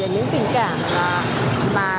những tình cảm mà